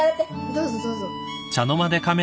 どうぞどうぞ。